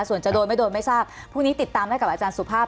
ส่วนจะโดนไม่โดนไม่ทราบพรุ่งนี้ติดตามได้กับอาจารย์สุภาพ